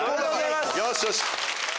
よしよし！